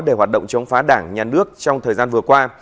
để hoạt động chống phá đảng nhà nước trong thời gian vừa qua